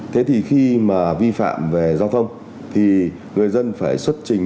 thế thì khi mà vi phạm về giao thông thì người dân phải xuất trình